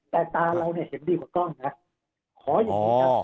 แต่ตาเราเห็นดีกว่ากล้องนะ